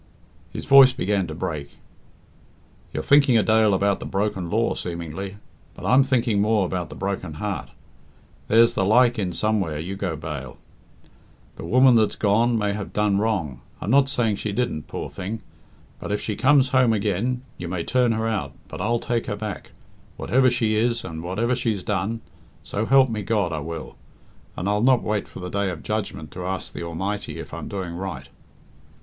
His voice began to break. "You're thinking a dale about the broken law seemingly, but I'm thinking more about the broken heart. There's the like in somewhere, you go bail. The woman that's gone may have done wrong I'm not saying she didn't, poor thing; but if she comes home again, you may turn her out, but I'll take her back, whatever she is and whatever she's done so help me God I will and I'll not wait for the Day of Judgment to ask the Almighty if I'm doing right."